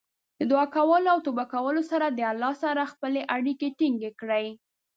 د دعا کولو او توبه کولو سره د الله سره خپلې اړیکې ټینګې کړئ.